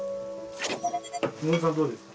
妹さんどうですか？